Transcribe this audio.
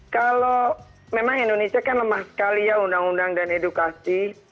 kalau memang indonesia kan lemah sekali ya undang undang dan edukasi